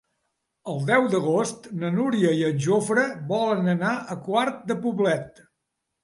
El deu d'agost na Núria i en Jofre volen anar a Quart de Poblet.